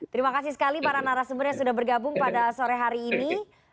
terima kasih sekali para narasumber yang sudah bergabung pada sore hari ini